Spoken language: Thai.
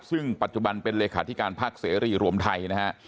ซึ่งปัจจุบันเป็นเลขาธิการพักเสรีรวมไทยนะฮะ